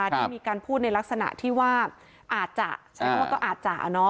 พี่มีการพูดในลักษณะที่ว่าอาจจะฉันว่าก็อาจจะเนอะ